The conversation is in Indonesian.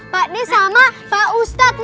pak ini sama pak ustadz